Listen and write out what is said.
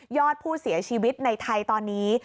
อดผู้เสียชีวิตในไทยตอนนี้